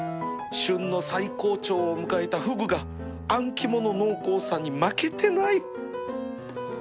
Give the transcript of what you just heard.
旬の最高潮を迎えたフグがあん肝の濃厚さに負けてない